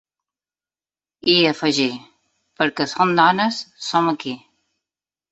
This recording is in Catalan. I afegí: Perquè som dones, som aquí!